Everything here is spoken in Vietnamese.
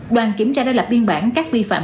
đoàn kiểm tra đã lập biên bản các vi phạm